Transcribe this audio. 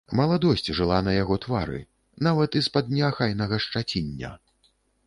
Маладосць жыла на яго твары, нават і з-пад неахайнага шчаціння.